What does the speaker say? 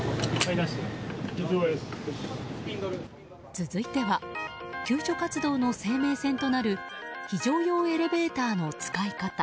続いては救助活動の生命線となる非常用エレベーターの使い方。